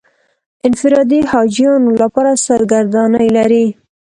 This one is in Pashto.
انفرادي حاجیانو لپاره سرګردانۍ لري.